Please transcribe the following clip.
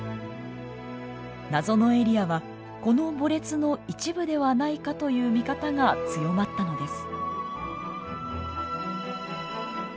謎のエリアはこの墓列の一部ではないかという見方が強まったのです。